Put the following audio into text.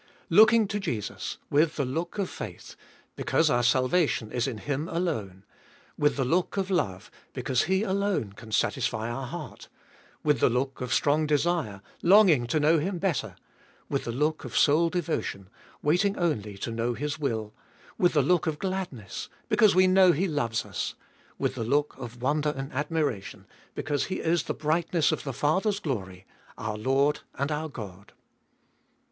7. "Looking to Jesus, with the look of faith, because our salvation is In Him alone; with the look of loue, because He alone can satisfy our heart; with the look of strong desire, longing to know Him better; with the look of soul devotion, waiting only to know His will ; with the look of gladness, because we know He loves us ; with the look of wonder and admiration, because He is the brightness of the Father's glory, our Lord and our God."